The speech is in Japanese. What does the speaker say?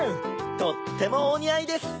とってもおにあいです！